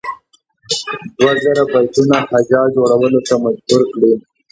دوه زره بیتونو هجا جوړولو ته مجبور کړي.